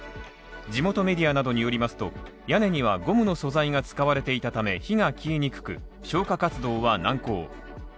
地元メディアなどによりますと屋根にはゴムの素材が使われていたため火が消えにくく、消火活動は難航。